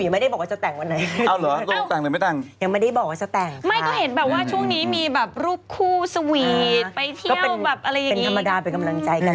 เอาก็เขาเพื่อนกันเนอะ